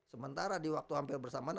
sementara di waktu hampir bersamaan